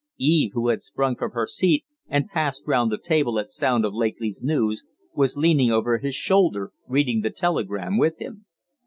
Eve, who had sprung from her seat and passed round the table at sound of Lakely's news, was leaning over his shoulder, reading the telegram with him.